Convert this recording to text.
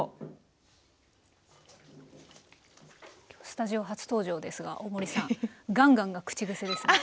スタジオ初登場ですが大森さん「ガンガン」が口癖ですね。